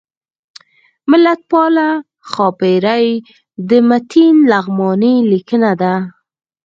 ملتپاله ښاپیرۍ د متین لغمانی لیکنه ده